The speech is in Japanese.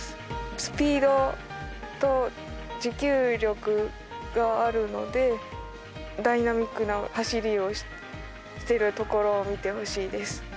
スピードと持久力があるのでダイナミックな走りをしているところを見てほしいです。